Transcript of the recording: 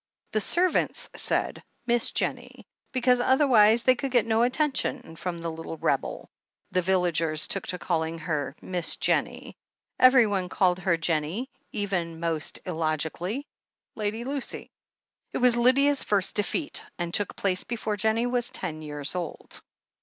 The servants said "Miss Jennie" be cause otherwise they could get no attention from the THE HEEL OF ACHILLES 329 little rebel — ^the villagers took to calling her "Miss Jennie." Everyone called her Jennie, even — ^most illog ically — Lady Lucy. It was Lydia's first defeat, and took place before Jennie was ten years old.